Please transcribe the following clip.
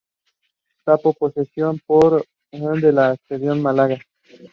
Incidental music was composed by Thomas Farmer.